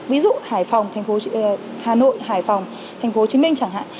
ví dụ hà nội hải phòng tp hcm chẳng hạn